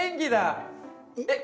えっ？